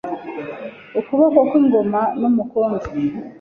Ukuboko kw'ingoma n' Umukondo